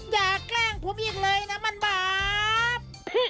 แกล้งผมอีกเลยนะมันบาป